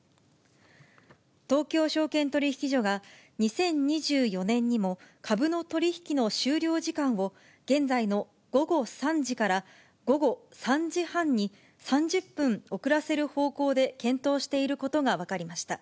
東京証券取引所が、２０２４年にも、株の取り引きの終了時間を、現在の午後３時から午後３時半に３０分遅らせる方向で検討していることが分かりました。